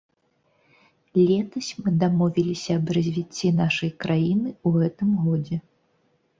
Летась мы дамовіліся аб развіцці нашай краіны ў гэтым годзе.